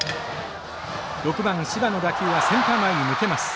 ６番柴の打球はセンター前に抜けます。